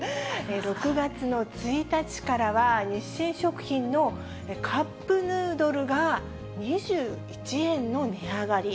６月の１日からは、日清食品のカップヌードルが２１円の値上がり。